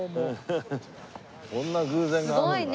こんな偶然があるんだね。